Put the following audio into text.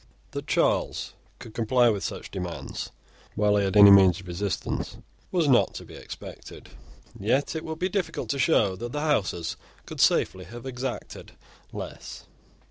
That Charles would comply with such demands while he had any means of resistance, was not to be expected. Yet it will be difficult to show that the Houses could safely have exacted less.